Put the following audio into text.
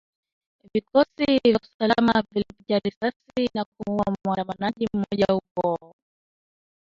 Vikosi vya usalama vilimpiga risasi na kumuuwa muandamanaji mmoja huko